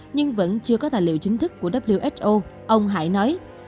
nhưng vẫn chưa có tài liệu chính thức của who ông hải nói